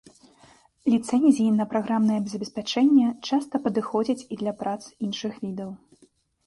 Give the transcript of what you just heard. Ліцэнзіі на праграмнае забеспячэнне часта падыходзяць і для прац іншых відаў.